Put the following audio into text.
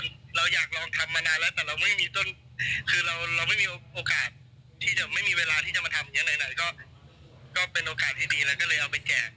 เราอยากลองทำมานานแล้วแต่เราไม่มีโอกาสที่จะไม่มีเวลาที่จะมาทำอย่างไหนก็เป็นโอกาสที่ดีแล้วก็เลยเอาไปแกะ